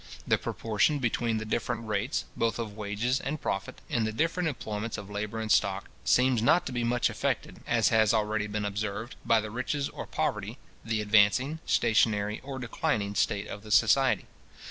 The proportion between the different rates, both of wages and profit, in the different employments of labour and stock, seems not to be much affected, as has already been observed, by the riches or poverty, the advancing, stationary, or declining state of the society.